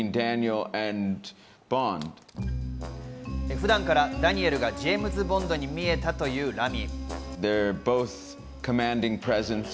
普段からダニエルがジェームズ・ボンドに見えたというラミ。